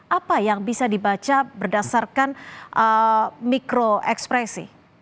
apa yang bisa dibaca berdasarkan mikro ekspresi